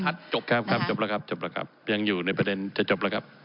สมภัทรผมสี่บรรทัดจบครับครับจบแล้วครับยังอยู่ในประเด็นจะจบแล้วครับ